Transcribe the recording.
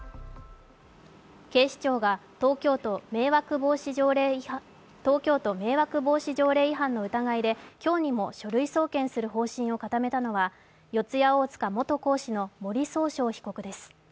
警視庁が東京都迷惑防止条例違反の疑いで今日にも書類送検する方針を固めたのは四谷大塚元講師の森崇翔被告です。